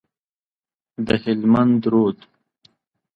د هلمند رود،